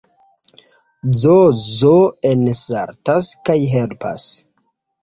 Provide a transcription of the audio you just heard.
Zozo ensaltas kaj helpas.